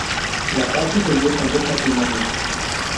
La paz se selló con dos matrimonios.